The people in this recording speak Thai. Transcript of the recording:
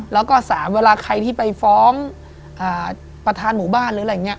แล้วก็๓เวลาใครที่ไปฟ้อมประธานหมู่บ้าน